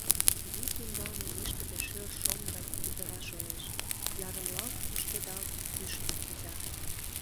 Вӱд ӱмбалне вишкыде шӧр шоҥ гай тӱтыра шолеш, ярымлалт-кушкедалт, кӱшкӧ кӱза.